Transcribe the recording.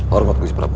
hormat gusti prabu